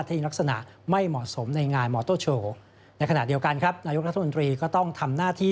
ที่ลักษณะไม่เหมาะสมในงานมอเต้าโชว์